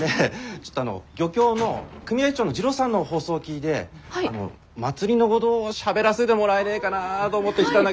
ちょっとあの漁協の組合長の滋郎さんの放送聞いで祭りのごどしゃべらせでもらえねえがなど思って来たんだ